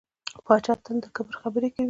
پاچا تل د کبر خبرې کوي .